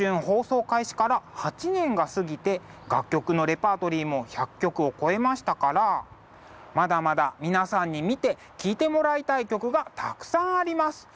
放送開始から８年が過ぎて楽曲のレパートリーも１００曲を超えましたからまだまだ皆さんに見て聴いてもらいたい曲がたくさんあります。